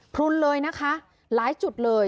พลุนเลยนะคะหลายจุดเลย